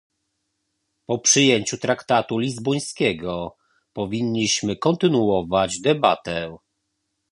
Po przyjęciu traktatu lizbońskiego powinniśmy kontynuować debatę